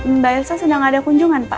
mbak elsa sedang ada kunjungan pak